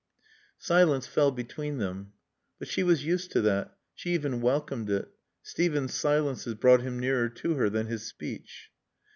Silence fell between them. But she was used to that. She even welcomed it. Steven's silences brought him nearer to her than his speech.